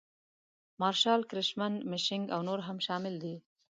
مارشال کرشمن مشینک او نور هم شامل دي.